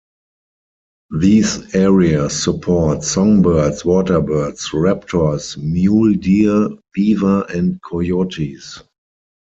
These areas support songbirds, water birds, raptors, mule deer, beaver and coyotes.